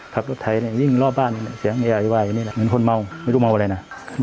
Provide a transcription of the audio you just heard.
ขับรถไทยนี่ยิ่งรอบบ้านนี่แหละ